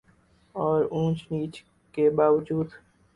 اور اونچ نیچ کے باوجود